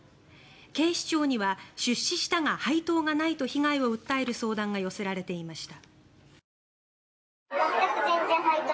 警視庁には出資したが配当がないと被害を訴える相談が寄せられていました。